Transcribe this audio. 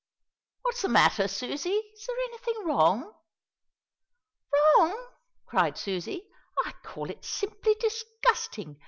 "What's the matter, Susie? Is there anything wrong?" "Wrong!" cried Susie. "I call it simply disgusting.